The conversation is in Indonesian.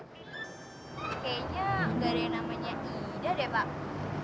kayaknya gak ada yang namanya idah deh pak